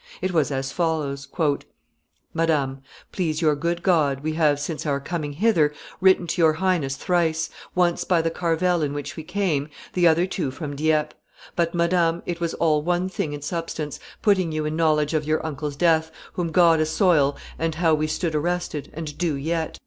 It was as follows: [Sidenote: The letter itself.] "MADAM, Please your good God, we have, since our coming hither, written to your highness thrice; once by the carvel in which we came, the other two from Dieppe. But, madam, it was all one thing in substance, putting you in knowledge of your uncle's death, whom God assoil, and how we stood arrested, and do yet.